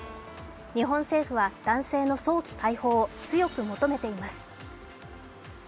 日本政府は男性の早期解放を強く求めています。